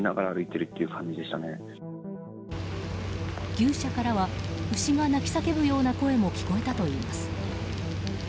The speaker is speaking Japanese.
牛舎からは牛が鳴き叫ぶような声も聞こえたといいます。